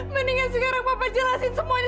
mendingan sekarang bapak jelasin semuanya